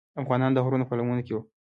افغانان د غرونو په لمنو کې وو.